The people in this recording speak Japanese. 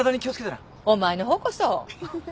お前の方こそ。